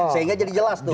sehingga jadi jelas tuh